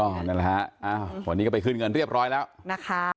นั่นแหละฮะอ้าววันนี้ก็ไปขึ้นเงินเรียบร้อยแล้วนะคะ